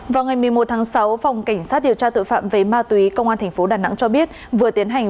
vào ngày một mươi một tháng sáu phòng cảnh sát điều tra tội phạm về ma túy công an tp đà nẵng cho biết vừa tiến hành